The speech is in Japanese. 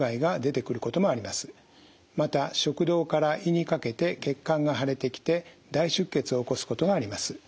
また食道から胃にかけて血管が腫れてきて大出血を起こすことがあります。